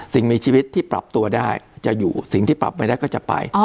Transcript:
สิ่งมีชีวิตที่ปรับตัวได้จะอยู่สิ่งที่ปรับไม่ได้ก็จะไป